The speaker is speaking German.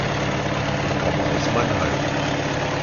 Ich komme aus Mannheim